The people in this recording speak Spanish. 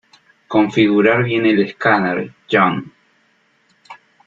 Configurar bien el escáner, John.